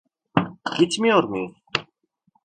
Gitmiyor muyuz?